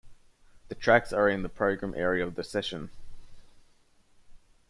The tracks are in the program area of the session.